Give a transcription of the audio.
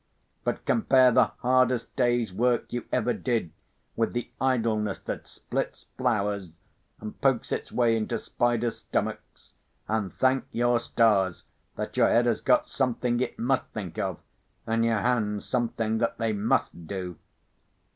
But compare the hardest day's work you ever did with the idleness that splits flowers and pokes its way into spiders' stomachs, and thank your stars that your head has got something it must think of, and your hands something that they must do.